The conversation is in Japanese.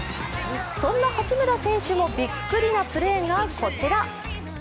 そんな八村選手もびっくりなプレーがこちら。